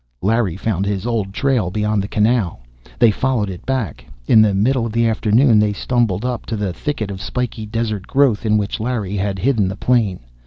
Larry found his old trail, beyond the canal. They followed it back. In the middle of the afternoon they stumbled up to the thicket of spiky desert growth, in which Larry had hidden the plane.